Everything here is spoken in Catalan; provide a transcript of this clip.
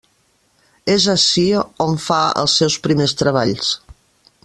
És ací on fa els seus primers treballs.